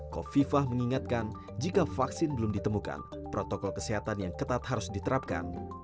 kofifah mengingatkan jika vaksin belum ditemukan protokol kesehatan yang ketat harus diterapkan